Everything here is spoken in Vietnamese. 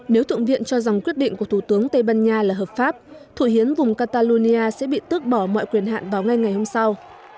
nếu thượng viện cho rằng quyết định của thủ tướng tây ban nha là hợp pháp thủ hiến vùng catalonia sẽ bị tước bỏ mọi quyền hạn vào ngay ngày hôm sau